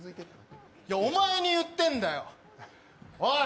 いや、お前に言ってんだよ、おい！